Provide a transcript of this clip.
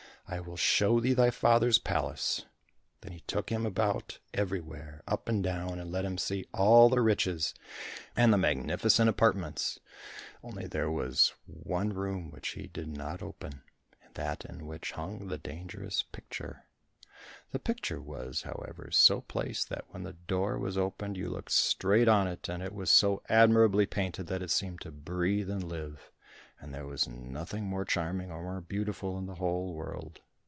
I will show thee thy father's palace." Then he took him about everywhere, up and down, and let him see all the riches, and the magnificent apartments, only there was one room which he did not open, that in which hung the dangerous picture. The picture was, however, so placed that when the door was opened you looked straight on it, and it was so admirably painted that it seemed to breathe and live, and there was nothing more charming or more beautiful in the whole world.